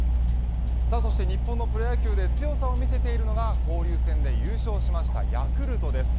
そして日本のプロ野球で強さを見せているのが交流戦で優勝したヤクルトです。